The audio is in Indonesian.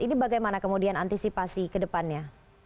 ini bagaimana kemudian antisipasi ke depannya